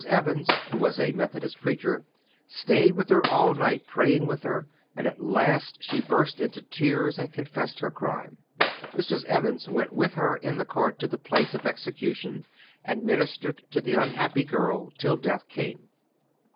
Evans, who was a Methodist preacher, stayed with her all night, praying with her, and at last she burst into tears and confessed her crime. Mrs. Evans went with her in the cart to the place of execution, and ministered to the unhappy girl till death came.